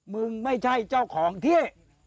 มึงไม่ใช่เจ้าของเที่ย